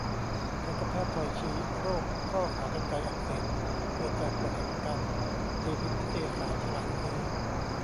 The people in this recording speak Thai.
ทันตแพทย์ไทยชี้ "โรคข้อขากรรไกรอักเสบ เกิดจากกฎแห่งกรรม" ตีพิมพ์นิตยสาร 'ฉลาดซื้อ'